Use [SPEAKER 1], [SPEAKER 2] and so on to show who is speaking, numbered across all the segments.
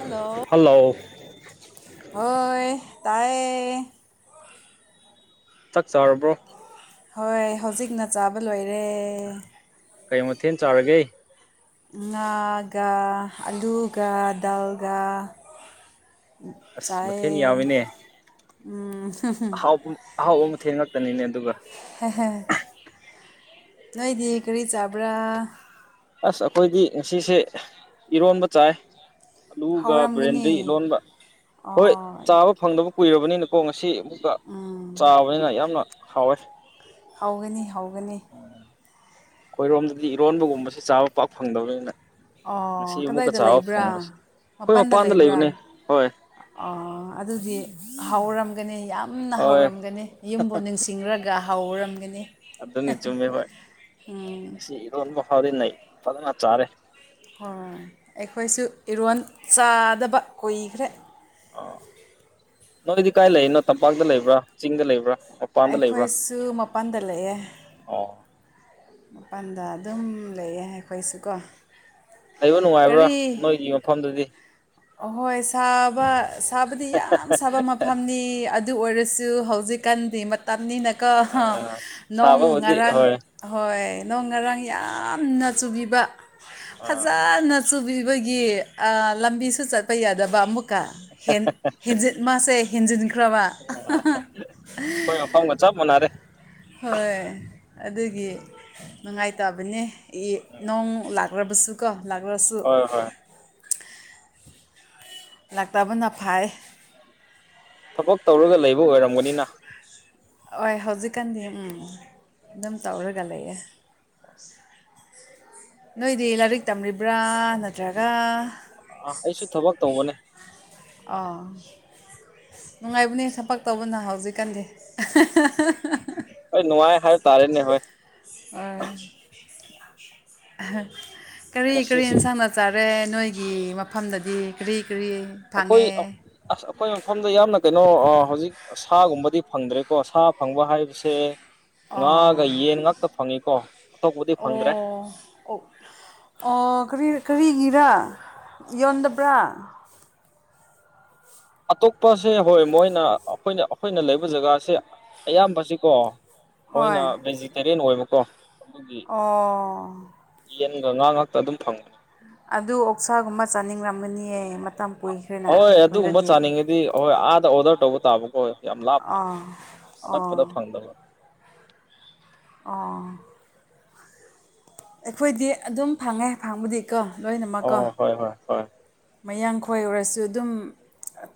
[SPEAKER 1] hello ꯍꯣꯏ ꯇꯥꯏꯌꯦ
[SPEAKER 2] ꯆꯛ ꯆꯔꯕ꯭ꯔꯣ
[SPEAKER 1] ꯍꯣꯏ ꯍꯧꯖꯤꯛꯅ ꯆꯥꯕ ꯂꯣꯏꯔꯦ
[SPEAKER 2] ꯀꯩ ꯃꯊꯦꯜ ꯆꯥꯔꯒꯦ
[SPEAKER 1] ꯉꯥꯒ ꯑꯂꯨꯒ ꯗꯗꯥꯜꯒ
[SPEAKER 2] ꯑꯁ ꯃꯊꯦꯜ ꯌꯥꯝꯃꯤꯅꯦ
[SPEAKER 1] ꯆꯦ
[SPEAKER 2] ꯑꯍꯥꯎꯕ ꯑꯍꯥꯎꯕ ꯃꯊꯦꯉꯛꯇꯅꯤꯅꯦ ꯑꯗꯨꯒ
[SPEAKER 1] ꯅꯣꯏꯗꯤ ꯀꯔꯤ ꯆꯥꯕ꯭ꯔꯥ
[SPEAKER 2] ꯑꯁ ꯑꯩꯈꯣꯏꯗꯤ ꯉꯁꯤꯁꯦ ꯏꯔꯣꯟꯕ ꯆꯥꯏ ꯑꯂꯨꯒ
[SPEAKER 1] ꯍꯧꯔꯝꯒꯅꯤ
[SPEAKER 2] ꯕ꯭ꯔꯦꯟꯗꯤ ꯂꯣꯟꯕ ꯍꯣꯏ
[SPEAKER 1] ꯑꯣ
[SPEAKER 2] ꯆꯥꯕ ꯐꯪꯗꯕ ꯀꯨꯏꯔꯕꯅꯤꯅꯀꯣ ꯉꯁꯤ ꯑꯃꯨꯛꯀ ꯆꯥꯕꯅꯤꯅ ꯌꯥꯝꯅ ꯍꯥꯎꯋꯦ
[SPEAKER 1] ꯍꯧꯒꯅꯤ ꯍꯧꯒꯅꯤ
[SPEAKER 2] ꯑꯩꯈꯣꯏꯔꯣꯝꯗꯗꯤ ꯏꯔꯣꯟꯕꯒꯨꯝꯕꯕꯁꯤ ꯆꯥꯕ ꯄꯥꯛ ꯐꯪꯗꯕꯅꯤꯅ ꯉꯁꯤ
[SPEAKER 1] ꯑꯣ
[SPEAKER 2] ꯑꯃꯨꯛꯀ
[SPEAKER 1] ꯀꯗꯥꯏꯗ
[SPEAKER 2] ꯆꯥꯕ
[SPEAKER 1] ꯂꯩꯕ꯭ꯔꯥ
[SPEAKER 2] ꯐꯪꯕꯁꯦ ꯑꯩꯈꯣꯏ ꯃꯄꯥꯟꯗ ꯂꯩꯕꯅꯦ ꯍꯣꯏ
[SPEAKER 1] ꯑꯗꯨꯗꯤ ꯍꯥꯎꯔꯝꯒꯅꯤ ꯌꯥꯝꯅ
[SPEAKER 2] ꯍꯣꯏ
[SPEAKER 1] ꯍꯥꯎꯔꯝꯒꯅꯤ ꯌꯨꯝꯕꯨ ꯅꯤꯡꯁꯤꯡꯉꯒ ꯈꯔ ꯍꯥꯎ ꯑꯣꯏꯔꯝꯒꯅꯤ
[SPEAKER 2] ꯑꯗꯨꯅꯤ ꯆꯨꯝꯃꯦ ꯍꯣꯏ ꯑꯁꯤ ꯏꯔꯣꯟꯕ ꯐꯥꯎꯗꯤ ꯅꯩ ꯐꯖꯅ ꯆꯥꯔꯦ
[SPEAKER 1] ꯍꯣꯏ ꯑꯩꯈꯣꯏꯁꯨ ꯏꯔꯣꯟ ꯆꯥꯗꯕ ꯀꯨꯏꯈ꯭ꯔꯦ
[SPEAKER 2] ꯑ ꯅꯣꯏꯗꯤ ꯀꯥꯏ ꯂꯩꯅꯣ ꯇꯝꯄꯥꯛꯇ ꯂꯩꯕ꯭ꯔꯥ ꯆꯤꯡꯗ ꯂꯩꯕ꯭ꯔꯥ ꯃꯄꯥꯟꯗ ꯂꯩꯕ꯭ꯔꯥ
[SPEAKER 1] ꯑꯩꯈꯣꯏꯁꯨ ꯃꯄꯥꯟꯗ ꯂꯩꯑꯦ
[SPEAKER 2] ꯑꯣ
[SPEAKER 1] ꯃꯄꯜꯗ ꯑꯗꯨꯝ ꯂꯩꯌꯦ ꯑꯩꯈꯣꯏꯁꯨꯀꯣ
[SPEAKER 2] ꯂꯩꯕ ꯅꯨꯡꯉꯥꯏꯕ꯭ꯔꯥ
[SPEAKER 1] ꯀꯔꯤ
[SPEAKER 2] ꯅꯣꯏꯒꯤ ꯃꯐꯝꯗꯨꯗꯤ
[SPEAKER 1] ꯑꯍꯣꯏ ꯁꯥꯕ ꯁꯥꯕꯗꯤ ꯌꯥꯝ ꯁꯥꯕ ꯃꯐꯝ ꯐꯝꯅꯤ ꯑꯗꯨ ꯑꯣꯏꯔꯁꯨ ꯍꯧꯖꯤꯛꯀꯥꯟꯗꯤ ꯇꯝꯅꯤꯅꯀꫭ
[SPEAKER 2] ꯑꯥ
[SPEAKER 1] ꯅꯣꯡ
[SPEAKER 2] ꯁꯥꯕꯕꯨꯗꯤ
[SPEAKER 1] ꯉꯔꯥꯡ
[SPEAKER 2] ꯍꯣꯏ
[SPEAKER 1] ꯍꯣꯏ ꯅꯣꯡ ꯉꯔꯥꯡ ꯌꯥꯝꯅ ꯆꯨꯕꯤꯕ
[SPEAKER 2] ꯑꯥ
[SPEAKER 1] ꯐꯖꯅ ꯆꯥꯛꯆꯨꯕꯤꯕꯒꯤ ꯂꯝꯕꯤꯁꯨ ꯆꯠꯄ ꯌꯥꯗꯕ ꯑꯃꯨꯛꯀ ꯍꯦꯟꯖꯤꯟ ꯃꯥꯁꯦ ꯍꯦꯟꯖꯤꯟꯈ꯭ꯔꯕ
[SPEAKER 2] ꯆꯕ ꯃꯅꯥꯔꯦ
[SPEAKER 1] ꯍꯣꯏ ꯑꯗꯨꯒꯤ ꯅꯨꯡꯉꯥꯏꯇꯕꯅꯦ ꯏ ꯅꯣꯡ ꯂꯥꯛ ꯂꯥꯛ꯭ꯔꯕꯁꯨ ꯀꯣ ꯂꯥꯛ꯭ꯔꯁꯨ
[SPEAKER 2] ꯍꯣꯏ ꯍꯣꯏ
[SPEAKER 1] ꯂꯥꯛꯇꯕꯅ ꯐꯥꯏ
[SPEAKER 2] ꯊꯕꯛ ꯇꯧꯔꯒ ꯂꯩꯕ ꯑꯣꯏꯔꯝꯒꯅꯤꯅ
[SPEAKER 1] ꯍꯣꯏ ꯍꯧꯖꯤꯛꯀꯥꯟꯗꯤ ꯎꯝ ꯑꯗꯨꯝ ꯇꯧꯔꯒ ꯂꯩꯌꯦ ꯅꯣꯏꯗꯤ ꯂꯥꯏꯔꯤꯛ ꯇꯝꯂꯤꯕ꯭ꯔꯥ ꯅꯠꯇ꯭ꯔꯒ
[SPEAKER 2] ꯑ ꯑꯩꯁꯨ ꯊꯕꯛ ꯇꯧꯕꯅꯦ
[SPEAKER 1] ꯑꯥ ꯅꯨꯡꯉꯥꯏꯕꯅꯦ ꯊꯕꯛ ꯇꯧꯕꯅ ꯍꯧꯖꯤꯛꯀꯥꯟꯗꯤ
[SPEAKER 2] ꯍꫭꯏ ꯅꯨꯡꯉꯥꯏ ꯍꯥꯏꯕ ꯇꯥꯔꯦꯅꯦ ꯍꯣꯏ
[SPEAKER 1] ꯑꯣ ꯀꯔꯤ ꯀꯔꯤ
[SPEAKER 2] ꯉꯁꯤꯁꯤ
[SPEAKER 1] ꯏꯟꯁꯥꯟ ꯆꯔꯦ ꯅꯣꯏꯒꯤ ꯃꯐꯝꯗꯗꯤ ꯀꯔꯤ ꯀꯔꯤ
[SPEAKER 2] ꯑꯩꯈꯣꯏ
[SPEAKER 1] ꯐꯪꯉꯦ
[SPEAKER 2] ꯑꯁ ꯑꯩꯈꯣꯏ ꯃꯐꯝꯗꫭ ꯌꯥꯝꯅ ꯀꯩꯅꯣ ꯍꯧꯖꯤꯛ ꯁꯥꯒꯨꯝꯕꯗꯤ ꯐꯪꯗ꯭ꯔꯦꯀꯣ ꯁꯥ ꯐꯪꯕ ꯍꯥꯏꯕꯁꯦ ꯉꯥꯒ
[SPEAKER 1] ꯑꯣ
[SPEAKER 2] ꯌꯦꯟ ꯉꯥꯛꯇ ꯐꯪꯉꯤꯀꯣ ꯑꯇꯣꯞꯄꯗꯤ ꯐꯪꯗ꯭ꯔꯦ
[SPEAKER 1] ꯑꯣ ꯑꯣꯔꯤ ꯀꯔꯤꯒꯤꯔꯥ ꯌꯣꯟꯗꯕ꯭ꯔꯥ
[SPEAKER 2] ꯑꯇꯣꯞꯄꯁꯦ ꯍꯣꯏ ꯃꯣꯏꯅ ꯑꯩꯈꯣꯏꯅ ꯑꯩꯈꯣꯏꯅ ꯂꯩꯕ ꯖꯒꯥꯁꯦ ꯑꯌꯥꯝꯕꯁꯤꯀꯣ ꯃꯣꯏꯅ
[SPEAKER 1] ꯍꯣꯏ
[SPEAKER 2] ꯚꯦꯖꯤꯇꯦꯔꯤꯌꯟ ꯑꯣꯏꯕꯀꯣ ꯑꯗꯨꯒꯤ
[SPEAKER 1] ꯑꯣ
[SPEAKER 2] ꯌꯦꯟꯒ ꯉꯥ ꯉꯥꯛꯇ ꯑꯗꯨꯝ ꯐꯪꯕꯅꯤ
[SPEAKER 1] ꯑꯗꯨ ꯑꯣꯛꯁꯥꯒꯨꯝꯕ ꯆꯥꯅꯤꯡꯔꯝꯒꯅꯤꯌꯦ ꯃꯇꯝ ꯀꯨꯏ
[SPEAKER 2] ꯍꯣꯏ ꯑꯗꯨꯒꯨꯝꯕ ꯆꯥꯅꯤꯡꯉꯤꯗꯤ ꯍꯣꯏ ꯑꯥꯗ ꯑꯣꯔꯗꯔ ꯇꯧꯕ ꯇꯥꯕꯀꯣꯣꯏ ꯌꯥꯝ ꯂꯥꯞꯅ
[SPEAKER 1] ꯑꯥ
[SPEAKER 2] ꯑꯅꯛꯄꯗ
[SPEAKER 1] ꯑꯣ
[SPEAKER 2] ꯐꯪꯗꯕ
[SPEAKER 1] ꯑꯣ ꯑꯩꯈꯣꯏꯗꯤ ꯑꯗꯨꯝ ꯐꯪꯉꯦ ꯐꯪꯕꯨꯗꯤꯀꯣ ꯂꯣꯏꯅꯃꯛꯀꯣ
[SPEAKER 2] ꯑꯣ ꯍꯣꯏ ꯍꯣꯏ ꯍꯣꯏ
[SPEAKER 1] ꯃꯌꯥꯡꯈꯣꯏ ꯑꯣꯏꯔꯁꯨ ꯑꯗꯨꯝ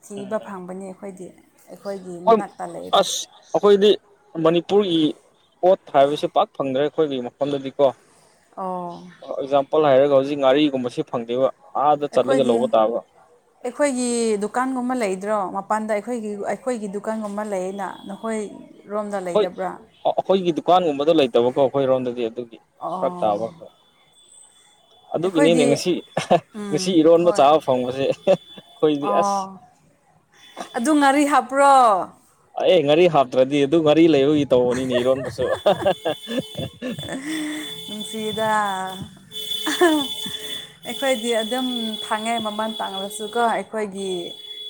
[SPEAKER 1] ꯊꯤꯕ
[SPEAKER 2] ꯎꯝ
[SPEAKER 1] ꯐꯪꯕꯅꯤ ꯑꯩꯈꯣꯏꯗꯤ ꯑꯩꯈꯣꯏꯒꯤ
[SPEAKER 2] ꯍꯣꯏ
[SPEAKER 1] ꯃꯅꯥꯛꯇ ꯂꯩꯔꯦ
[SPEAKER 2] ꯑꯁ ꯑꯩꯈꯣꯏꯗꯤ ꯃꯅꯤꯄꯨꯔꯒꯤ ꯄꯣꯠ ꯍꯥꯏꯕꯕꯁꯤ ꯄꯥꯛ ꯐꯪꯗ꯭ꯔꯦ ꯑꯩꯈꯣꯏꯒꯤ ꯃꯐꯝꯗꯗꯤ ꯀꯣ
[SPEAKER 1] ꯑꯣ
[SPEAKER 2] ꯐꫭꯔ ꯑꯦꯛꯖꯥꯝꯄꯜ ꯍꯥꯏꯔꯒ ꯍꯧꯖꯤꯛ ꯉꯥꯔꯤꯒꯨꯝꯕꯁꯤ ꯐꯪꯗꯦꯕ ꯑꯥꯗ ꯆꯠꯂꯒ
[SPEAKER 1] ꯑꯩꯈꯣꯏꯗꯤ
[SPEAKER 2] ꯂꯧꯕ ꯇꯥꯕ
[SPEAKER 1] ꯑꯩꯈꯣꯏꯒꯤ ꯗꯨꯀꯥꯟꯒꯨꯝꯕ ꯂꯩꯗ꯭ꯔꯣ ꯃꯄꯥꯟꯗ ꯑꯩꯈꯣꯏꯒꯤ ꯑꯩꯈꯣꯏꯒꯤ ꯗꯨꯀꯥꯟꯒꯨꯝꯕ ꯂꯩꯌꯦꯅ ꯅꯈꯣꯏ
[SPEAKER 2] ꯍꯈꯣꯏ ꯑꯩꯈꯣꯏꯒꯤ ꯗꯨꯀꯥꯟꯒꯨꯝꯕꯗꯣ ꯂꯩꯇꯕꯀꯣ ꯑꯩꯈꯣꯏꯔꯣꯝꯗꯗꯤ ꯑꯗꯨꯒꯤ ꯐꯔꯛ
[SPEAKER 1] ꯑꯣ
[SPEAKER 2] ꯇꯥꯕ ꯈꯔ [inaudible] ꯑꯗꯨꯒꯤꯅꯤꯅꯦ
[SPEAKER 1] ꯑꯩꯈꯣꯏꯗꯤ
[SPEAKER 2] ꯉꯁꯤ ꯉꯁꯤ
[SPEAKER 1] ꯎꯝ
[SPEAKER 2] ꯏꯔꯣꯟꯕ
[SPEAKER 1] ꯍꯣꯏ
[SPEAKER 2] ꯆꯥꯕ ꯐꯪꯕꯁꯦ ꯑꯩꯈꯣꯏꯗꯤ ꯑꯁ
[SPEAKER 1] ꯑꯣ ꯑꯗꯨ ꯉꯥꯔꯤ ꯍꯥꯞꯄ꯭ꯔꯣ
[SPEAKER 2] ꯑꯦ ꯉꯥꯔꯤ ꯍꯥꯞꯇ꯭ꯔꯗꯤ ꯑꯗꯨ ꯉꯥꯔꯤ ꯂꯩꯕꯒꯤ ꯇꯧꯕꯅꯤꯅꯤ ꯏꯔꯣꯟꯕꯁꯨ
[SPEAKER 1] ꯆꯗ ꯑꯩꯈꯣꯏꯗꯤ ꯑꯗꯨꯝ ꯐꯥꯡꯉꯦ ꯃꯃꯜ ꯇꯥꯡꯂꯁꯨꯀꯣ ꯑꯩꯈꯣꯏꯒꯤ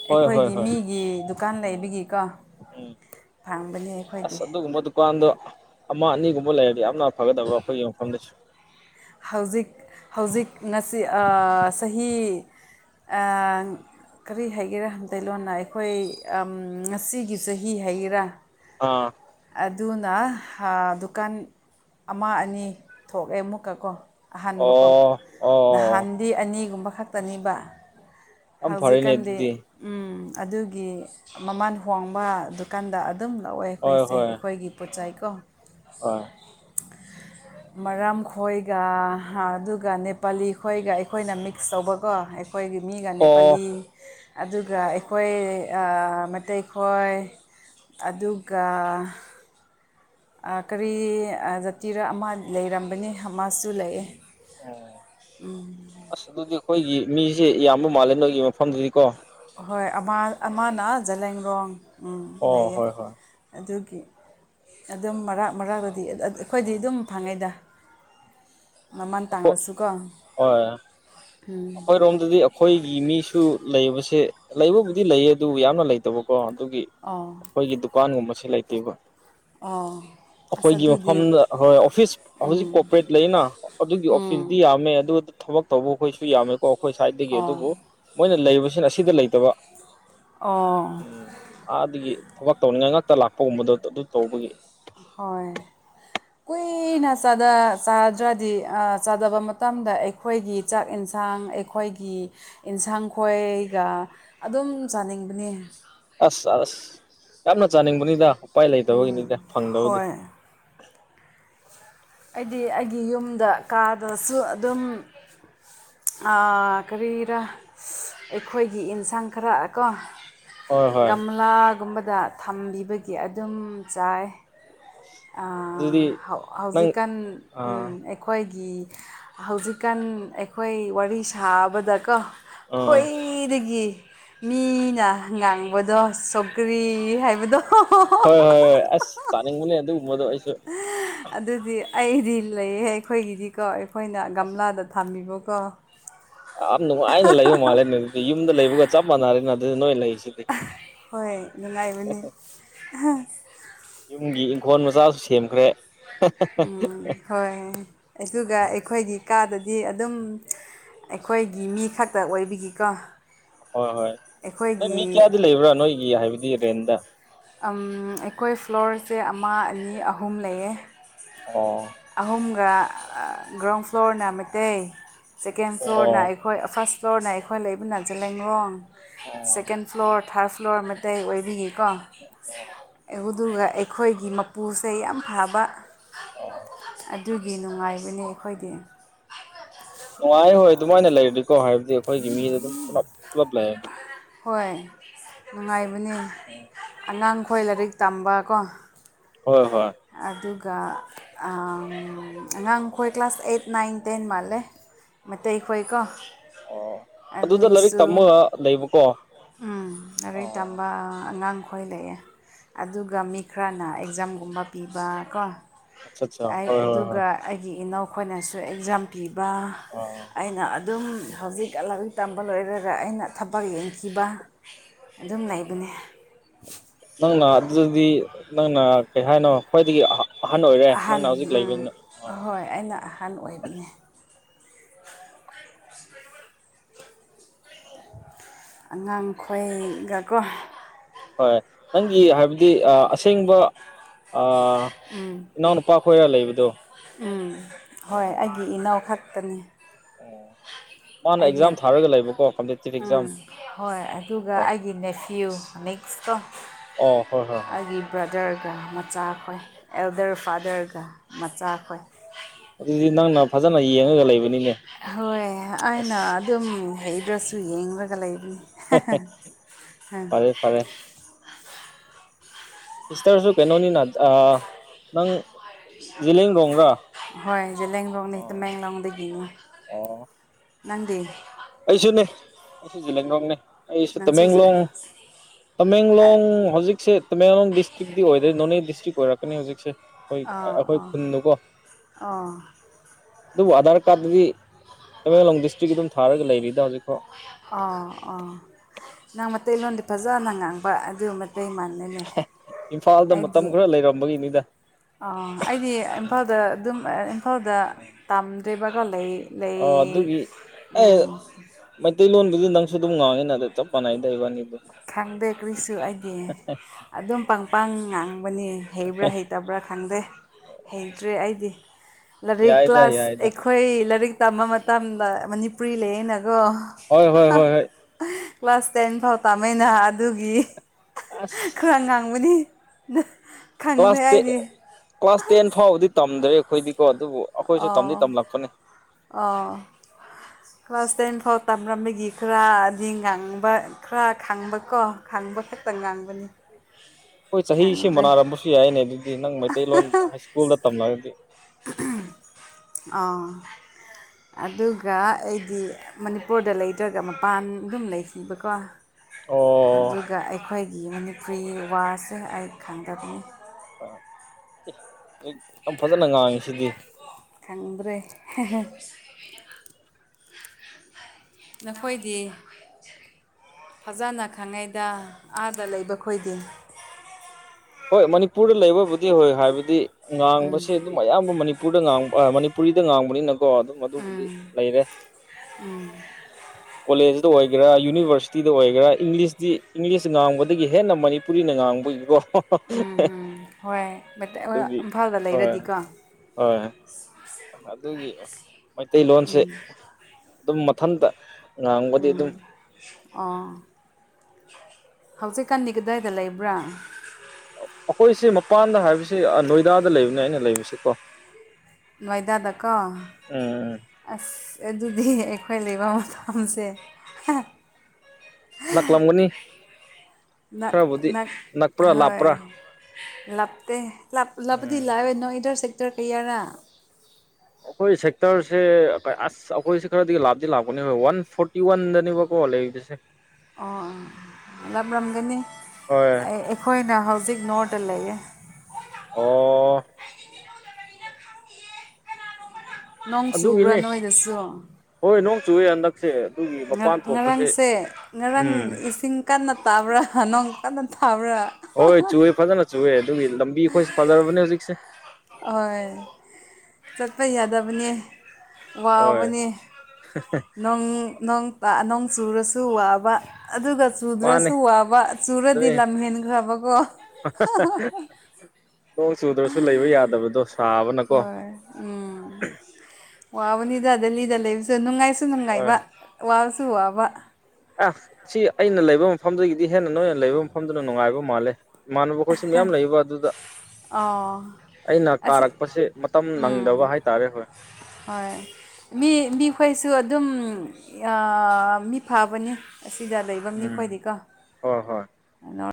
[SPEAKER 2] ꯍꯣꯏ ꯍꯣꯏ
[SPEAKER 1] ꯑꯩꯈꯣꯏꯒꯤ
[SPEAKER 2] ꯍꯣꯏ
[SPEAKER 1] ꯃꯤꯒꯤ ꯗꯨꯀꯥꯟ
[SPEAKER 2] ꯎꯝ
[SPEAKER 1] ꯂꯩꯕꯒꯤꯀꯣ
[SPEAKER 2] ꯎꯝ
[SPEAKER 1] ꯐꯪꯕꯅꯦ ꯑꯩꯈꯣꯏꯗꯤ
[SPEAKER 2] ꯑꯁ ꯑꯗꯨꯒꯨꯝꯕ ꯗꯨꯀꯥꯟꯗꯣ ꯑꯃ ꯑꯅꯤꯒꯨꯝꯕ ꯂꯩꯔꯗꯤ ꯌꯥꯝꯅ ꯐꯒꯗꯕ ꯑꯩꯈꯣꯏꯒꯤ ꯃꯐꯝꯗꯁꯨ
[SPEAKER 1] ꯍꯧꯖꯤꯛ ꯍꯧꯖꯤꯛ ꯆꯍꯤ ꯀꯔꯤ ꯍꯥꯏꯒꯦꯔꯥ ꯃꯩꯇꯩꯂꯣꯟꯅ ꯑꯩꯈꯣꯏ ꯉꯁꯤꯒꯤ ꯆꯍꯤ ꯍꯥꯏꯒꯦꯔꯥ
[SPEAKER 2] ꯑꯥ
[SPEAKER 1] ꯑꯗꯨꯅ ꯗꯨꯀꯥꯟ ꯑꯃ ꯑꯅꯤ ꯊꯣꯛꯑꯦ ꯑꯃꯨꯛꯀꯀꯣ ꯑꯍꯥꯟꯕꯀꯣ
[SPEAKER 2] ꯑꯣ ꯑꯣ
[SPEAKER 1] ꯅꯍꯥꯟꯗꯤ ꯑꯅꯤꯒꯨꯝꯕ
[SPEAKER 2] ꯑꯁ
[SPEAKER 1] ꯈꯛꯇꯅꯤꯕ
[SPEAKER 2] ꯌꯥꯝ ꯐꯔꯦꯅꯦ
[SPEAKER 1] ꯍꯧꯖꯤꯛꯀꯥꯟꯗꯤ
[SPEAKER 2] ꯑꯗꯨꯗꯤ
[SPEAKER 1] ꯎꯝ ꯑꯗꯨꯒꯤ ꯃꯃꯥꯟ ꯍꯣꯡꯕ ꯗꯨꯀꯥꯟꯗ ꯑꯗꯨꯝ ꯂꯧꯋꯦ
[SPEAKER 2] ꯍꯣꯏ
[SPEAKER 1] ꯑꯩꯈꯣꯏꯁꯦ ꯑꯩꯈꯣꯏꯒꯤ ꯄꯣꯠꯆꯩꯀꯣ
[SPEAKER 2] ꯑ
[SPEAKER 1] ꯃꯔꯝ ꯈꯣꯏꯒ ꯑꯗꯨꯒ ꯅꯦꯄꯥꯂꯤ ꯈꯣꯏꯒ ꯑꯩꯈꯣꯏꯅ ꯃꯤꯛꯁ ꯇꯧꯕꯀꯣ ꯑꯩꯈꯣꯏꯒꯤ ꯃꯤꯒ
[SPEAKER 2] ꯑꯣ
[SPEAKER 1] ꯅꯦꯄꯥꯂꯤ ꯑꯗꯨꯒ ꯑꯩꯈꯣꯏ ꯃꯩꯇꯩ ꯈꯣꯏ ꯑꯗꯨ ꯀꯥ ꯀꯔꯤ ꯖꯥꯇꯤꯔꯥ ꯑꯃ ꯂꯩꯔꯝꯕꯅꯤ ꯑꯃꯁꯨ ꯂꯩꯑ ꯎꯝ
[SPEAKER 2] ꯑꯁ ꯑꯗꯨꯗꯤ ꯑꯩꯈꯣꯏꯒꯤ ꯃꯤꯁꯦ ꯌꯥꯝꯕ ꯃꯥꯜꯂꯦ ꯅꯣꯏꯒꯤ ꯃꯐꯝꯗꯨꯗꯤ ꯀꯣ
[SPEAKER 1] ꯍꯣꯏ ꯑꯃ ꯑꯃꯅ ꯖꯂꯡꯂꯣꯡ ꯎꯝ
[SPEAKER 2] ꯑꯣ
[SPEAKER 1] ꯂꯩꯌꯦ
[SPEAKER 2] ꯍꯣꯏ ꯍꯣꯏ
[SPEAKER 1] ꯑꯗꯨꯒꯤ ꯑꯗꯨꯝ ꯃꯔꯥꯛ ꯃꯔꯥꯛꯇꯗꯤ ꯑꯩꯈꯣꯏꯗꯤ ꯑꯗꯨꯝ ꯐꯪꯉꯤꯗ ꯃꯃꯜ
[SPEAKER 2] ꯑꯩꯈꯣꯏ
[SPEAKER 1] ꯇꯥꯡꯔꯁꯨꯀꯣ ꯎꯝ
[SPEAKER 2] ꯔꯣꯝꯗꯗꯤ ꯑꯩꯈꯣꯏꯒꯤ ꯃꯤꯁꯨ ꯂꯩꯕꯁꯦ ꯂꯩꯕꯕꯨꯗꯤ ꯂꯩꯌꯦ ꯑꯗꯨꯕꯨ ꯌꯥꯝꯅ ꯂꯩꯇꯕꯀꯣ ꯑꯗꯨꯒꯤ
[SPEAKER 1] ꯑꯥ
[SPEAKER 2] ꯑꯩꯈꯣꯏꯒꯤ ꯗꯨꯀꯥꯟꯒꯨꯝꯕꯕꯁꯤ ꯂꯩꯇꯦꯕ
[SPEAKER 1] ꯑꯥ
[SPEAKER 2] ꯑꯩꯈꯣꯏꯒꯤ ꯃꯐꯝꯗ ꯍꯣꯏ ꯑꯣꯐꯤꯁ ꯍꯧꯖꯤꯛ
[SPEAKER 1] ꯎꯝ
[SPEAKER 2] ꯀꯣꯄꯔꯦꯠ ꯂꯩꯅ ꯑꯗꯨꯒꯤ
[SPEAKER 1] ꯎꯝ
[SPEAKER 2] ꯑꯣꯐꯤꯁꯇ ꯌꯥꯝꯃꯦ ꯑꯗꯨ ꯊꯕꯛ ꯇꯧꯕ ꯑꯩꯈꯣꯏꯁꯨ ꯌꯥꯝꯃꯦꯀꯣ ꯑꯩꯈꯣꯏ ꯁꯥꯏꯗꯒꯤ
[SPEAKER 1] ꯑꯣ
[SPEAKER 2] ꯑꯗꯨꯕꯨ ꯃꯣꯏꯅ ꯂꯩꯕꯁꯤꯅ ꯑꯁꯤꯗ ꯂꯩꯇꯕ
[SPEAKER 1] ꯑꯣ
[SPEAKER 2] ꯎꯝ ꯑꯥꯗꯒꯤ ꯊꯕꯛ ꯇꯧꯅꯤꯡꯉꯥꯏ ꯉꯛꯇ ꯂꯥꯛꯄꯒꯨꯝꯕꯗꯣ ꯑꯗꯨ ꯇꯧꯕꯒꯤ
[SPEAKER 1] ꯍꯣꯏ ꯀꯨꯏꯅ ꯆꯥꯗ꯭ꯔꯗꯤ ꯆꯥꯗꯕ ꯃꯇꯝꯗ ꯍꫭꯏꯒꯤ ꯆꯥꯛ ꯑꯦꯟꯁꯥꯡ ꯑꯩꯈꯣꯏꯒꯤ ꯌꯦꯟꯁꯥꯡ ꯈꯣꯏꯒ ꯑꯗꯨꯝ ꯆꯥꯅꯤꯡꯕꯅꯤ
[SPEAKER 2] ꯑꯁ ꯑꯁ ꯌꯥꯝꯅ ꯆꯥꯅꯤꯡꯕꯅꯤꯗ ꯎꯄꯥꯏ ꯂꯩꯇꯕꯒꯤꯅꯤꯗ ꯐꯪꯗꯕꯗꯤ
[SPEAKER 1] ꯍꯣꯏ ꯍꯥꯏꯗꯤ ꯑꯩꯒꯤ ꯌꯨꯝꯗ ꯀꯥꯗꯁꯨ ꯑꯗꯨꯝ ꯀꯔꯤꯔ ꯑꯩꯈꯣꯏꯒꯤ ꯌꯦꯟꯁꯥꯡ ꯈꯔ ꯀꯣ
[SPEAKER 2] ꯍꯣꯏ ꯍꯣꯏ
[SPEAKER 1] ꯒꯝꯂꯥꯒꯨꯝꯕꯗ ꯊꯝꯕꯤꯕꯒꯤ ꯑꯗꯨꯝ ꯆꯥꯏ
[SPEAKER 2] ꯑꯗꯨꯗꯤ ꯅꯪ
[SPEAKER 1] ꯍꯧꯖꯤꯛꯀꯥꯟ
[SPEAKER 2] ꯑꯥ
[SPEAKER 1] ꯑꯩꯈꯣꯏꯒꯤ ꯍꯧꯖꯤꯛꯀꯥꯟ ꯑꯩꯈꯣꯏ ꯋꯥꯔꯤ ꯁꯥꯕꯗꯀꯣ ꯍꯣꯏ
[SPEAKER 2] ꯑꯥ
[SPEAKER 1] ꯁꯤꯗꯒꯤ ꯃꯤꯅ ꯉꯥꯡꯕꯗꯣ ꯁꯧꯀ꯭ꯔꯤ ꯍꯥꯏꯕꯗꯣ
[SPEAKER 2] ꯍꯣꯏ ꯍꯣꯏ ꯍꯣꯏ ꯑꯁ ꯆꯥꯅꯤꯡꯕꯅꯦ ꯑꯗꯨ ꯎꯕꯗꯣ ꯑꯩꯁꯨ
[SPEAKER 1] ꯑꯗꯨꯗꯤ ꯑꯩꯗꯤ ꯂꯩꯌꯦꯍꯦ ꯑꯩꯈꯣꯏꯒꯤꯗꯤꯀꯣ ꯑꯩꯈꯣꯏꯅ
[SPEAKER 2] ꯑꯁ
[SPEAKER 1] ꯒꯝꯂꯥꯗ ꯊꯝꯕꯤꯕꯒꯣ
[SPEAKER 2] ꯌꯥꯝ ꯅꯨꯡꯉꯥꯏꯅ ꯂꯩꯕ ꯃꯥꯜꯂꯦꯅꯦ ꯑꯗꯨꯗꯤ ꯌꯨꯝꯗ ꯂꯩꯕꯒ ꯆꯞ ꯃꯥꯟꯅꯔꯦꯅ ꯑꯗꯨꯗ ꯅꯣꯏ ꯂꯩꯁꯤꯗꯤ
[SPEAKER 1] ꯍꯣꯏ ꯅꯨꯡꯉꯥꯏꯕꯅꯤ
[SPEAKER 2] ꯌꯨꯝꯒꯤ ꯏꯪꯈꯣꯜ ꯃꯆꯥꯁꯨ ꯁꯦꯝꯈ꯭ꯔꯦ
[SPEAKER 1] ꯎꯝ ꯍꯣꯏ ꯑꯗꯨꯒ ꯑꯩꯈꯣꯏꯒꯤ ꯀꯥꯗꯗꯤ ꯑꯗꯨꯝ ꯑꯩꯈꯣꯏꯒꯤ ꯃꯤ ꯈꯛꯇ ꯑꯣꯏꯕꯤꯒꯤꯀꯣ
[SPEAKER 2] ꯍꯣꯏ ꯍꯣꯏ ꯅꯣꯏ ꯃꯤ ꯀꯌꯥꯗꯤ ꯂꯩꯕ꯭ꯔꯥ ꯅꯣꯏꯒꯤ ꯍꯥꯏꯕꯗꯤ ꯔꯦꯟꯗ
[SPEAKER 1] ꯑꯩꯈꯣꯏ ꯐ꯭ꯂꯣꯔꯁꯦ ꯑꯃ ꯑꯅꯤ ꯑꯍꯨꯝ ꯂꯩꯌꯦ
[SPEAKER 2] ꯑꯣ
[SPEAKER 1] ꯑꯍꯨꯝꯒ ꯒ꯭ꯔꯥꯎꯟ ꯐ꯭ꯂꯣꯔꯅ ꯃꯩꯇꯩ ꯁꯦꯀꯦꯟ
[SPEAKER 2] ꯑꯣ
[SPEAKER 1] ꯐ꯭ꯂꯣꯔꯅ ꯑꯩꯈꯣꯏ ꯐꯥꯔꯁ ꯐ꯭ꯂꯣꯔꯅ ꯑꯩꯈꯣꯏ ꯂꯩꯕ ꯅꯥꯖ ꯂꯩꯔꯣꯡ ꯁꯦꯀꯦꯟ ꯐ꯭ꯂꯣꯔ ꯊꯥꯔꯠ ꯐ꯭ꯂꯣꯔ ꯃꯇꯩ ꯑꯣꯏꯕꯤꯌꯦꯀꯣ ꯑꯗꯨꯒ ꯑꯩꯈꯣꯏꯒꯤ ꯃꯄꯨꯁꯦ ꯌꯥꯝ ꯐꯕ ꯑꯗꯨꯒꯤ ꯅꯨꯡꯉꯥꯏꯕꯅꯤ ꯑꯩꯈꯣꯏꯗꯤ
[SPEAKER 2] ꯅꯨꯡꯉꯥꯏꯍꯣꯏ ꯑꯗꯨꯃꯥꯏꯅ ꯂꯩꯔꯗꯤꯀꯣ ꯍꯥꯏꯕꯗꯤ ꯑꯩꯈꯣꯏꯒꯤ ꯃꯤꯗ ꯑꯗꯨꯝ ꯄꯨꯂꯞ ꯄꯨꯂꯞ ꯂꯩꯔꯅꯤ
[SPEAKER 1] ꯍꯣꯏ ꯅꯨꯡꯉꯥꯏꯕꯅꯤ ꯑꯉꯥꯡꯈꯣꯏ ꯂꯥꯏꯔꯤꯛ ꯇꯝꯕ ꯀꯣ
[SPEAKER 2] ꯍꯣꯏ ꯍꯣꯏ
[SPEAKER 1] ꯑꯗꯨꯒ ꯑꯉꯥꯡꯈꯣꯏ ꯀ꯭ꯂꯥꯁ ꯑꯩꯠ ꯅꯥꯏꯟ ꯇꯦꯟ ꯃꯥꯜꯂꯦ ꯃꯇꯩꯩ ꯈꯣꯏꯀꯣ
[SPEAKER 2] ꯑꯣ ꯑꯗꯨꯗ ꯂꯥꯏꯔꯤꯛ ꯇꯝꯃꯒ ꯂꯩꯕꯀꯣ
[SPEAKER 1] ꯎꯝ ꯂꯔꯩ
[SPEAKER 2] ꯑꯣ
[SPEAKER 1] ꯇꯝꯕ ꯑꯉꯥꯡꯈꯣꯏ ꯂꯩꯑꯦ ꯑꯗꯨꯒ ꯃꯤ ꯈꯔꯅ ꯑꯩ ꯑꯦꯛꯖꯥꯝꯒꯨꯝꯕ ꯄꯤꯕ ꯀꯣ
[SPEAKER 2] ꯑꯠꯆꯥ ꯑꯠꯆꯥ
[SPEAKER 1] ꯑꯩ
[SPEAKER 2] ꯍꯣꯏ ꯍꯣꯏ ꯍꯣꯏ
[SPEAKER 1] ꯑꯗꯨꯒ ꯑꯩꯒꯤ ꯏꯅꯧ ꯑꯩꯈꯣꯏꯅꯁꯨ ꯑꯦꯛꯖꯥꯝ ꯄꯤꯕ
[SPEAKER 2] [inaudible]
[SPEAKER 1] ꯑꯩꯅ ꯑꯗꯨꯝ ꯍꯧꯖꯤꯛ ꯂꯥꯏꯔꯤꯛ ꯇꯝꯕ ꯂꯣꯏꯔꯒ ꯑꯩꯅ ꯊꯕꯛ ꯌꯦꯡꯈꯤꯕ ꯑꯗꯨꯝ ꯂꯩꯕꯅꯦ
[SPEAKER 2] ꯅꯪꯅ ꯑꯗꯨꯗꯗꯤ ꯅꯪꯅ ꯀꯩ ꯍꯥꯏꯅꯣ ꯈ꯭ꯋꯥꯏꯗꯒꯤ ꯑꯍꯟ ꯑꯣꯏꯔꯦ ꯅꯪꯅ ꯍꯧꯖꯤꯛ ꯂꯩꯕꯅꯤꯅ ꯑꯥ
[SPEAKER 1] ꯑꯍꯣꯏ ꯑꯩꯅ ꯑꯍꯥꯟꯕ ꯑꯣꯏꯕꯅꯦ ꯑꯉꯥꯡꯈꯣꯏꯒꯀꯣ
[SPEAKER 2] ꯍꯣꯏ ꯅꯪꯒꯤ ꯍꯥꯏꯕꯗꯤ ꯑꯁꯦꯡꯕ
[SPEAKER 1] ꯎꯝ
[SPEAKER 2] ꯏꯅꯥꯎꯅꯨꯄꯥ ꯈꯣꯏꯔ ꯂꯩꯕꯗꯣ
[SPEAKER 1] ꯎꯝ ꯍꯣꯏ
[SPEAKER 2] ꯑꯣ
[SPEAKER 1] ꯑꯩꯒꯤ ꯏꯅꯥꯎ ꯈꯛꯇꯅꯤ
[SPEAKER 2] ꯃꯥꯅ
[SPEAKER 1] ꯑꯩꯒꯤ
[SPEAKER 2] ꯑꯦꯛꯖꯥꯝ ꯊꯥꯔꯒ ꯂꯩꯕꯀꯣ ꯀꯝꯄꯤꯇꯤꯞ ꯑꯦꯛꯖꯥꯝ
[SPEAKER 1] ꯍꯣꯏ ꯑꯗꯨꯒ ꯑꯩꯒꯤ ꯅꯦꯐ꯭ꯌꯨ ꯅꯅꯤꯛꯁꯇꯣ
[SPEAKER 2] ꯑꯣ ꯍꯣꯏ ꯍꯣꯏ ꯍꯣꯏ
[SPEAKER 1] ꯑꯩꯒꯤ ꯕ꯭ꯔꯗꯔꯒ ꯃꯆꯥꯈꯣꯏ ꯑꯦꯜꯗꯔ ꯐꯥꯗꯔꯒ ꯃꯆꯥ ꯈꯣꯏ
[SPEAKER 2] ꯑꯗꯨꯗꯤ ꯅꯪꯅ ꯐꯖꯅ ꯌꯦꯡꯉꯒ ꯂꯩꯕ
[SPEAKER 1] ꯍꯣꯏ ꯑꯩꯅ ꯑꯗꯨꯝ ꯍꯩꯗ꯭ꯔꯁꯨ ꯌꯦꯡꯂꯡꯒ ꯂꯩꯕꯤ
[SPEAKER 2] ꯐꯔꯦ ꯐꯔꯦ ꯁꯤꯁꯇꯔꯁꯨ ꯀꯩꯅꯣꯅꯤꯅ ꯅꯪ ꯖꯤꯂꯦꯡ ꯔꯣꯡꯕ꯭ꯔꯥ
[SPEAKER 1] ꯍꯣꯏꯁꯦꯡꯂꯣꯡ ꯇꯃꯦꯡꯂꯣꯡꯗꯒꯤ
[SPEAKER 2] ꯑꯣ
[SPEAKER 1] ꯅꯪꯗꯤ
[SPEAKER 2] ꯑꯩꯁꯨꯅꯦ ꯑꯩꯁꯨ ꯖꯤꯂꯒꯣꯡꯅꯦ ꯑꯩꯁꯨ
[SPEAKER 1] ꯅꯪꯁꯨ
[SPEAKER 2] ꯇꯃꯦꯡꯂꯣꯡ
[SPEAKER 1] ꯑꯣ
[SPEAKER 2] ꯇꯃꯦꯡꯂꯣꯡ ꯍꯧꯖꯤꯛꯁꯦꯠ ꯇꯃꯦꯡꯂꯣꯡ ꯗꯤꯁꯇ꯭ꯔꯤꯛꯇꯤ ꯑꯣꯏꯔꯦ ꯅꯣꯅꯦ ꯗꯤꯁꯇ꯭ꯔꯤꯛ ꯑꯣꯏꯔꯛꯀꯅꯤ ꯍꯧꯛꯁꯦ ꯑꯩꯈꯣꯏ ꯑꯩꯈꯣꯏ
[SPEAKER 1] ꯑꯣ
[SPEAKER 2] ꯈꯨꯟꯗꯨꯀꯣ
[SPEAKER 1] ꯑꯣ
[SPEAKER 2] ꯑꯗꯨꯕꯨ ꯑꯙꯥꯔ ꯀꯥꯔꯠꯇꯗꯤ ꯇꯃꯦꯡꯂꯣꯡ ꯗꯤꯁꯇ꯭ꯔꯤꯛꯀꯤ ꯑꯗꯨꯝ ꯊꯥꯔꯒ ꯂꯩꯔꯤꯗ ꯍꯧꯖꯤꯛꯐꯥꯎ
[SPEAKER 1] ꯑꯣ ꯑꯣ ꯅꯪ ꯃꯩꯇꯩꯂꯣꯟꯗꯤ ꯐꯖꯅ ꯉꯥꯡꯕ ꯑꯗꯨ ꯂꯩ ꯃꯥꯟꯅ
[SPEAKER 2] ꯏꯝꯐꯥꯜꯗ ꯃꯇꯝ ꯈꯔ ꯂꯩꯔꯝꯕꯒꯤꯅꯤꯗ
[SPEAKER 1] ꯑ ꯑꯩꯗꯤ ꯏꯝꯐꯥꯜꯗ ꯑꯗꯨꯝ ꯏꯝꯐꯥꯜꯗ ꯇꯝꯗ꯭ꯔꯤꯕꯒ ꯂꯩ
[SPEAKER 2] ꯑꯣ
[SPEAKER 1] ꯂꯩ
[SPEAKER 2] ꯑꯗꯨꯒꯤ ꯑꯩ ꯃꯩꯇꯩꯂꯣꯟꯒꯤꯗꯤ ꯅꯪꯁꯨ ꯑꯗꯨꯝ ꯉꯥꯡꯉꯤꯅ ꯑꯗ ꯆꯞ ꯃꯥꯟꯅꯩꯗꯩꯕꯅꯤꯗꯣ
[SPEAKER 1] ꯈꯥꯡꯗꯦ ꯀꯔꯤꯁꯨ ꯑꯩꯗꯤ ꯑꯗꯨꯝ ꯄꯪꯄꯪ ꯉꯥꯡꯕꯅꯤ ꯍꯩꯕ꯭ꯔꯥ ꯍꯩ ꯍꯇꯕ꯭ꯔꯥ ꯈꯪꯗꯦ ꯍꯩꯇ꯭ꯔꯦ ꯑꯩꯗꯤ ꯂꯥꯏꯔꯤꯛ
[SPEAKER 2] ꯌꯥꯏꯗ
[SPEAKER 1] ꯀ꯭ꯂꯥꯁ ꯑꯩ
[SPEAKER 2] ꯌꯥꯏꯗ
[SPEAKER 1] ꯑꯩꯈꯣꯏ ꯂꯥꯏꯔꯤꯛ ꯇꯝꯕ ꯃꯇꯝꯗ ꯃꯅꯤꯄꯨꯔꯤ ꯂꯩ ꯑꯩꯅꯀꯣ
[SPEAKER 2] ꯍꯣꯏ ꯍꯣꯏ ꯍꯣꯏ ꯍꯣꯏ
[SPEAKER 1] ꯀ꯭ꯂꯥꯁ ꯇꯦꯟ ꯐꯥꯎ ꯇꯥꯃꯩꯅ ꯑꯗꯨꯒꯤ
[SPEAKER 2] ꯑꯁ
[SPEAKER 1] ꯈꯔ ꯉꯥꯡꯕꯅꯤ [unintelligible]
[SPEAKER 2] ꯀ꯭ꯂꯥꯁ ꯇꯦꯟ
[SPEAKER 1] ꯑꯩꯗꯤ
[SPEAKER 2] ꯀ꯭ꯂꯥꯁ ꯇꯦꯟ ꯐꯥꯎꯕꯗꯤ ꯇꯝꯗ꯭ꯔꯦ ꯑꯩꯈꯣꯏꯗꯤꯀꯣ ꯑꯗꯨꯕꯨ ꯑꯩꯈꯣꯏꯁꯨ ꯇꯝꯗꯤ
[SPEAKER 1] ꯑꯣ
[SPEAKER 2] ꯇꯝꯂꯛꯄꯅꯤ
[SPEAKER 1] ꯑꯣ ꯀ꯭ꯂꯥꯁ ꯇꯦꯟ ꯐꯥꯎ ꯇꯝꯔꯝꯕꯒꯤ ꯈꯔꯗꯤ ꯉꯥꯡꯕ ꯈꯔ ꯈꯥꯡꯕꯀꯣ ꯈꯥꯡꯕ ꯈꯛꯇ ꯉꯥꯡꯕꯅꯤ
[SPEAKER 2] ꯍꯣꯏ ꯆꯍꯤꯁꯤ
[SPEAKER 1] ꯈꯪꯗ꯭ꯔꯦ
[SPEAKER 2] ꯃꯅꯥꯔꯝꯕꯁꯨ ꯌꯥꯏꯅꯦ ꯑꯗꯨꯗꯤ ꯅꯪ ꯃꯩꯇꯩꯂꯣꯟ ꯍꯥꯏ ꯁ꯭ꯀꯨꯜꯗ ꯇꯝꯂꯒꯗꯤ
[SPEAKER 1] ꯑꯥ ꯑꯗꯨꯒ ꯑꯩꯗꯤ ꯃꯅꯤꯄꯨꯔꯗ ꯂꯩꯇ꯭ꯔꯒ ꯃꯄꯥꯟ ꯑꯗꯨꯝ ꯂꯩꯈꯤꯕꯀꯣ
[SPEAKER 2] ꯑꯣ
[SPEAKER 1] ꯑꯗꯨꯒ ꯑꯩꯈꯣꯏꯒꯤ ꯃꯅꯤꯄꯨꯔꯤ ꯋꯥꯁꯁꯦ ꯑꯩ ꯈꯪꯗꯕꯅꯤ
[SPEAKER 2] ꯑꯦ ꯍꯧꯖꯤꯛ ꯌꯥꯝ ꯐꯖꯅ ꯉꯥꯡꯉꯤꯁꯤꯗꯤ
[SPEAKER 1] ꯈꯪꯗ꯭ꯔꯦ ꯅꯈꯣꯏꯗꯤ ꯐꯖꯅ ꯈꯪꯉꯤꯗ ꯑꯥꯗ ꯂꯩꯕ ꯈꯣꯏꯗꯤ
[SPEAKER 2] ꯍꯣꯏ ꯃꯅꯤꯄꯨꯔꯗ ꯂꯩꯕꯕꯨꯗꯤ ꯍꯣꯏ ꯍꯥꯏꯕꯗꯤ
[SPEAKER 1] ꯎꯝ
[SPEAKER 2] ꯉꯥꯡꯕꯁꯦ ꯑꯗꯨꯝ ꯃꯌꯥꯝꯕ ꯃꯅꯤꯄꯨꯔꯗꯥ ꯃꯅꯤꯄꯨꯔꯤꯗ ꯉꯥꯡꯕꯅꯤꯅ ꯀꯣ ꯑꯗꯨꯝ ꯑꯗꯨꯕꯨꯗꯤ
[SPEAKER 1] ꯎꯝ
[SPEAKER 2] ꯂꯩꯔꯦ ꯀꯣꯂꯦꯖꯗ ꯑꯣꯏ ꯑꯣꯏꯒꯦꯔꯥ ꯌꯨꯅꯤꯚꯔꯁꯤꯇꯤꯗ ꯑꯣꯏꯒꯦꯔꯥ ꯏꯪꯂꯤꯁꯇꯤ ꯏꯪꯂꯤꯁ ꯉꯥꯡꯕꯗꯒꯤ ꯍꯦꯟꯅ ꯃꯅꯤꯄꯨꯔꯤꯅ ꯉꯥꯡꯕ ꯢꯕꯣ
[SPEAKER 1] ꯎꯝ ꯎꯝ ꯍꯣꯏ
[SPEAKER 2] ꯑꯗꯨꯒꯤ
[SPEAKER 1] ꯏꯝꯐꯥꯜꯗ
[SPEAKER 2] ꯍꯣꯏ
[SPEAKER 1] ꯂꯩꯔꯗꯤꯀꯣ
[SPEAKER 2] ꯍꯣꯏ ꯑꯗꯨꯒꯤ ꯃꯩꯇꯩꯂꯣꯟꯁꯦ
[SPEAKER 1] ꯎꯝ
[SPEAKER 2] ꯑꯗꯨꯝ ꯃꯊꯟꯇ ꯉꯥꯡꯕꯗꯤ
[SPEAKER 1] ꯎꯝ
[SPEAKER 2] ꯑꯗꯨꯝ
[SPEAKER 1] ꯑꯣ ꯍꯧꯖꯤꯛꯀꯥꯟꯗꯤ ꯀꯗꯥꯏꯗ ꯂꯩꯕ꯭ꯔꯥ
[SPEAKER 2] ꯑꯩꯈꯣꯏꯁꯤ ꯃꯄꯥꯟꯗ ꯍꯥꯏꯕꯁꯤ ꯅꯣꯏꯗꯥꯗ ꯂꯩꯕꯅꯦ ꯑꯩꯅ ꯂꯩꯕꯁꯤ ꯀꯣ
[SPEAKER 1] ꯅꯣꯏꯗꯥꯗ ꯀꯣ
[SPEAKER 2] ꯎꯝ
[SPEAKER 1] ꯑꯁ ꯑꯗꯨꯗꯤ ꯑꯩꯈꯣꯏ ꯂꯩꯕ ꯃꯐꯝꯁꯦ
[SPEAKER 2] ꯅꯛꯂꯝꯒꯅꯤ
[SPEAKER 1] ꯅ
[SPEAKER 2] ꯈꯔꯕꯨꯗꯤ
[SPEAKER 1] ꯅ
[SPEAKER 2] ꯅꯛꯄ꯭ꯔꯥ
[SPEAKER 1] ꯍꯣꯏ
[SPEAKER 2] ꯂꯥꯞꯄ꯭ꯔꯥ
[SPEAKER 1] ꯂꯥꯞꯇꯦ ꯂꯥꯞꯂꯕꯗꯤ
[SPEAKER 2] ꯎꯝ
[SPEAKER 1] ꯂꯥꯛꯑꯣꯏ ꯅꯣꯏ ꯁꯦꯛꯇꯔ ꯀꯌꯥꯔꯥ
[SPEAKER 2] ꯑꯩꯈꯣꯏ ꯁꯦꯛꯇꯔꯁꯦ ꯑꯁ ꯑꯩꯈꯣꯏꯁꯦ ꯈꯔꯗꯤ ꯂꯥꯞꯇꯤ ꯂꯥꯛꯄꯅꯤ ꯋꯥꯟ ꯐꯣꯔꯇꯤ ꯋꯥꯟ ꯗꯅꯦꯕꯀꯣ ꯂꯩꯔꯤꯕꯁꯦ [inaudible]
[SPEAKER 1] ꯑꯣ ꯂꯥꯞꯂꯝꯒꯅꯤ
[SPEAKER 2] ꯍꯣꯏ
[SPEAKER 1] ꯑꯩꯈꯣꯏꯅ ꯍꯧꯖꯤꯛ ꯅꯣꯔꯠꯇ ꯂꯩꯌꯦ
[SPEAKER 2] ꯑꯣ
[SPEAKER 1] ꯅꯣꯡ ꯆꯨꯕ꯭ꯔꯥ
[SPEAKER 2] ꯑꯗꯨꯒꯤꯅꯤ
[SPEAKER 1] ꯅꯣꯏꯗꯁꯨ
[SPEAKER 2] ꯍꯣꯏ ꯅꯣꯡ ꯆꯨꯑꯦ ꯍꯟꯗꯛꯁꯦ ꯑꯗꯨꯒꯤ ꯃꯄꯥꯟ
[SPEAKER 1] ꯉꯔꯥꯡ
[SPEAKER 2] ꯊꯣꯛꯄꯁꯦ
[SPEAKER 1] ꯁꯦ ꯉꯔꯥꯡ
[SPEAKER 2] ꯎꯝ
[SPEAKER 1] ꯏꯁꯤꯡ ꯀꯟꯅ ꯇꯥꯕ꯭ꯔꯥ ꯅꯣꯡ ꯀꯟꯅ ꯊꯥꯕ꯭ꯔꯥ
[SPEAKER 2] ꯍꯣꯏ ꯆꯨꯑꯦ ꯐꯖꯅ ꯆꯨꯑꯦ ꯑꯗꯨꯒꯤ ꯂꯝꯕꯤ ꯑꯩꯈꯣꯏꯁꯦ ꯐꯖꯔꯕꯅꯦ ꯍꯧꯖꯤꯛꯁꯦ
[SPEAKER 1] ꯍꯣꯏ ꯆꯠꯄ ꯌꯥꯗꯕꯅꯦ
[SPEAKER 2] ꯍꯣꯏ
[SPEAKER 1] ꯋꯥꯕꯅꯦ ꯅꯣꯡ ꯄꯥ ꯅꯣꯡ ꯆꯨꯔꯁꯨ ꯋꯥꯕ ꯑꯗꯨꯒ
[SPEAKER 2] ꯃꯥꯅꯦ
[SPEAKER 1] ꯆꯨꯗ꯭ꯔꯁꯨ ꯋꯥꯕ ꯆꯨꯔꯗꯤ
[SPEAKER 2] ꯑꯗꯨꯅꯦ
[SPEAKER 1] ꯂꯝꯍꯦꯟꯈ꯭ꯔꯕꯀꯣ
[SPEAKER 2] ꯅꯣꯡ ꯆꯨꯗ꯭ꯔꯁꯨ ꯂꯩꯕ ꯌꯥꯗꯕꯗꯣ ꯁꯥꯕꯅꯀꯣ
[SPEAKER 1] ꯍꯣꯏ ꯎꯝ ꯋꯥꯕꯅꯤꯗ ꯗꯦꯂꯤꯗꯥ ꯂꯩꯕꯁꯦ ꯅꯨꯡꯉꯥꯏ ꯁꯨ
[SPEAKER 2] ꯍꯣꯏ
[SPEAKER 1] ꯅꯨꯡꯉꯥꯏꯕ ꯋꯥꯕꯁꯨ ꯋꯥꯕ
[SPEAKER 2] ꯑ ꯁꯤ ꯑꯩꯅ ꯂꯩꯕ ꯃꯐꯝꯗꯒꯤꯗꯤ ꯍꯦꯟꯅ ꯅꯣꯏꯅ ꯂꯩꯕ ꯃꯐꯝꯗꯨꯅ ꯅꯨꯡꯉꯥꯏꯕ ꯃꯥꯜꯂꯦ ꯏꯃꯥꯟꯅꯕ ꯈꯣꯏꯁꯨ ꯃꯌꯥꯝ ꯂꯩꯕ ꯑꯗꯨꯗ
[SPEAKER 1] ꯑꯥ
[SPEAKER 2] ꯑꯩꯅ
[SPEAKER 1] ꯑꯁꯤ
[SPEAKER 2] ꯀꯥꯔꯛꯄꯁꯤ ꯃꯇꯝ
[SPEAKER 1] ꯎꯝ
[SPEAKER 2] ꯅꯪꯗꯕ ꯍꯥꯏꯇꯥꯔꯦ ꯍꯣꯏ
[SPEAKER 1] ꯍꯣꯏ ꯃꯤ ꯃꯤꯈꯣꯏꯁꯨ ꯑꯗꯨꯝ ꯃꯤ ꯐꯕꯅꯤ ꯑꯁꯤꯗ ꯂꯩꯕ ꯂꯩꯕ
[SPEAKER 2] ꯎꯝ
[SPEAKER 1] ꯃꯤꯈꯣꯏꯗꯤꯀꯣ
[SPEAKER 2] ꯍꯣꯏ ꯍꯣꯏ